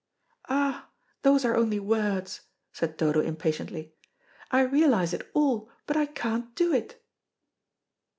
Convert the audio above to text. "Ah, those are only words," said Dodo impatiently. "I realise it all, but I can't do it."